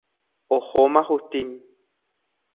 Ohóma Justín.